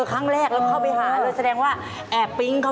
เขาไม่งงหรือคะ